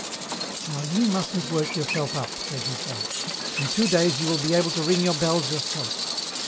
"Now you mustn't work yourself up," said his wife. "In two days you will be able to ring your bells yourself."